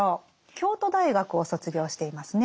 京都大学を卒業していますね。